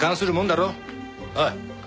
おい。